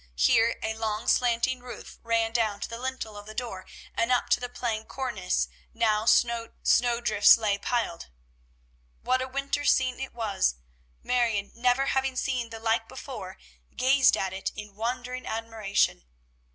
Here a long slanting roof ran down to the lintel of the door, and up to the plain cornice snow drifts lay piled. What a winter scene it was! Marion, never having seen the like before, gazed at it in wondering admiration.